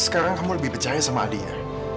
sekarang kamu lebih percaya sama dia